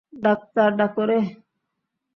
Doctor ডাক রে।